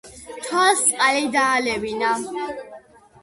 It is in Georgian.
თვალს წყალი დაალევინა